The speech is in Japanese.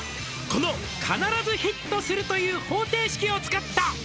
「この必ずヒットするという方程式を使った」